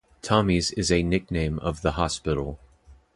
Tommy's is a nickname of the hospital.